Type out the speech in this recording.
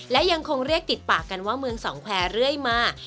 และยังคงเรียกติดปากกันว่าเมืองสองแควร์เรื่อยมา